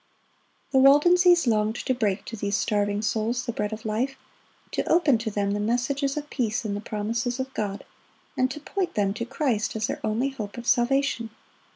The Waldenses longed to break to these starving souls the bread of life, to open to them the messages of peace in the promises of God, and to point them to Christ as their only hope of salvation.